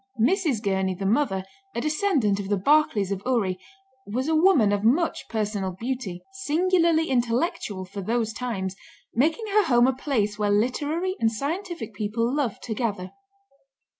Mrs. Gurney, the mother, a descendant of the Barclays of Ury, was a woman of much personal beauty, singularly intellectual for those times, making her home a place where literary and scientific people loved to gather.